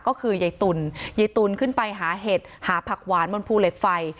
ก็คือยายตุ๋นยายตุลขึ้นไปหาเห็ดหาผักหวานบนภูเหล็กไฟ